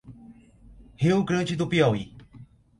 Rio Grande do Piauí